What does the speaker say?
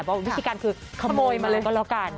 วิธีการคือขโมยมาเลยก็แล้วกัน